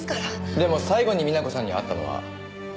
でも最後に美奈子さんに会ったのはあなたですよね？